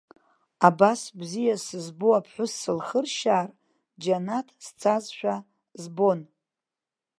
Абас бзиа сызбо аԥҳәыс сылхыршьаар, џьанаҭ сцазшәа збон.